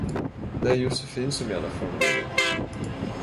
Det är Josefin som gäller, från och med nu.